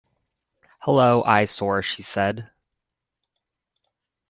"Hullo, eyesore," she said.